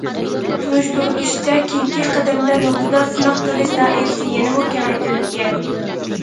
تونۇشتۇرۇلۇشىچە، كېيىنكى قەدەمدە، نۇقتىدا سىناق قىلىش دائىرىسى يەنىمۇ كېڭەيتىلىدىكەن.